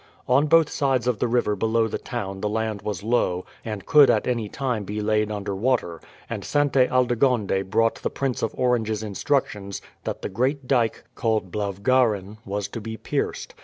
On both sides of the river below the town the land was low and could at any time be laid under water, and Sainte Aldegonde brought the Prince of Orange's instructions that the great dyke, called Blauwgaren, was to be pierced.